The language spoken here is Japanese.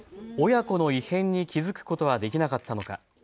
親子の異変に気付くことはできなかったのか。